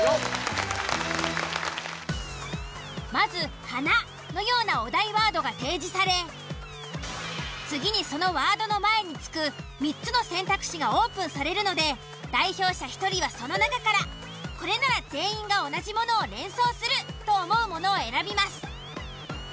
まず「花」のようなお題ワードが提示され次にそのワードの前に付く３つの選択肢がオープンされるので代表者１人はその中からこれなら全員が同じものを連想すると思うものを選びます。